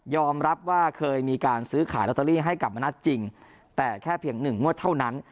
รับว่าเคยมีการซื้อขายลอตเตอรี่ให้กับมณัฐจริงแต่แค่เพียงหนึ่งงวดเท่านั้น